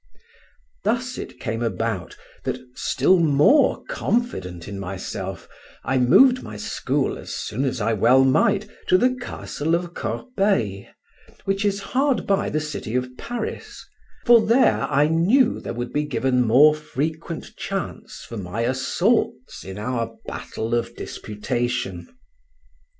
Thus it came about that, still more confident in myself, I moved my school as soon as I well might to the castle of Corbeil, which is hard by the city of Paris, for there I knew there would be given more frequent chance for my assaults in our battle of disputation.